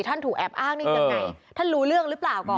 ท่านถูกแอบอ้างนี่ยังไงท่านรู้เรื่องหรือเปล่าก่อน